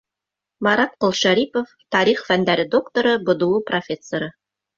Марат ҠОЛШӘРИПОВ, тарих фәндәре докторы, БДУ профессоры: